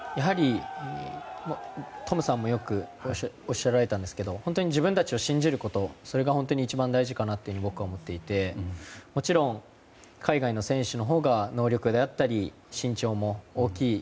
トムさんもよくおっしゃったんですけど本当に自分たちを信じることそれが一番大事かなと僕は思っていてもちろん、海外の選手のほうが能力であったり身長も大きい。